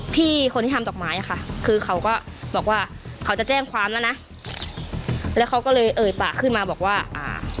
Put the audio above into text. พี่คนที่ทำดอกไม้อ่ะค่ะคือเขาก็บอกว่าเขาจะแจ้งความแล้วนะแล้วเขาก็เลยเอ่ยปากขึ้นมาบอกว่าอ่า